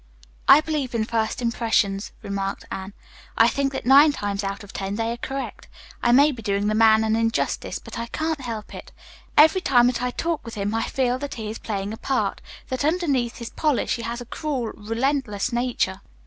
"I believe in first impressions," remarked Anne. "I think that nine times out of ten they are correct. I may be doing the man an injustice, but I can't help it. Every time that I talk with him I feel that he is playing a part, that underneath his polish he has a cruel, relentless nature."